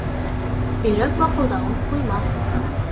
Өйрәк баҡылдауын ҡуймаҫ.